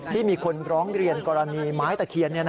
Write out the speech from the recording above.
ที่มีคนร้องเรียนกรณีไม้ตะเคียน